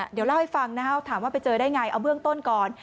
เดี๋ยวเล่าให้ฟังนะครับถามว่าไปเจอได้ไงเอาเบื้องต้นก่อน